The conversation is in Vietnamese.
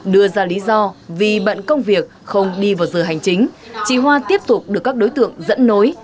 đưa ra lý do vì bận công việc không đi vào giờ hành chính chị hoa tiếp tục được các đối tượng dẫn nối